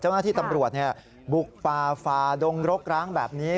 เจ้าหน้าที่ตำรวจบุกป่าฝ่าดงรกร้างแบบนี้